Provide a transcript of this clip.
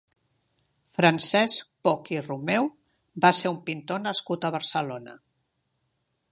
Francesc Poch i Romeu va ser un pintor nascut a Barcelona.